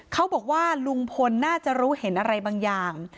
เขาบอกว่าลุงพลน่าจะรู้เห็นอะไรบางอย่าง